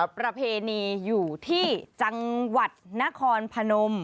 ประเพณีอยู่ที่จังหวัดนครพนม